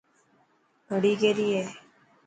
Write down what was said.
گھڙي ڪيري هي.